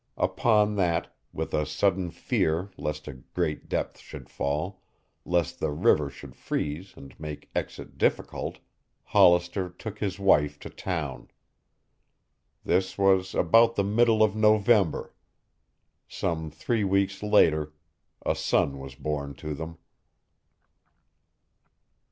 Upon that, with a sudden fear lest a great depth should fall, lest the river should freeze and make exit difficult, Hollister took his wife to town. This was about the middle of November. Some three weeks later a son was born to them.